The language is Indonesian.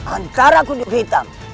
antara kudu hitam